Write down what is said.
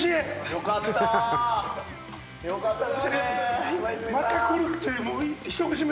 よかったね。